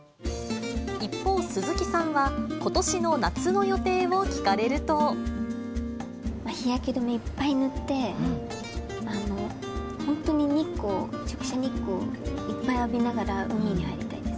一方、鈴木さんは、日焼け止めいっぱい塗って、本当に日光、直射日光いっぱい浴びながら海に入りたいです。